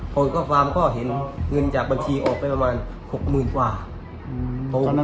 อีกคอบความเห็นเงินจากบัญชีออกไปประมาณ๖๐๐๐๐บาท